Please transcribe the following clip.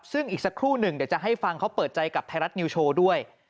ซึ่งอีกสักครู่หนึ่งเดี๋ยวจะให้ฟังเขาเปิดใจกับไทยรัฐนิวโชว์ด้วย